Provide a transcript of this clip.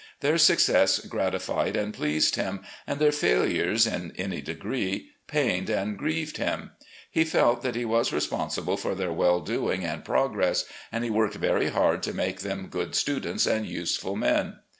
Their success gratified and pleased him, and their failures, in any degree, pained and grieved him. He felt that he was responsible for their well doing and progress, and he worked very hard to make them good students and useful men.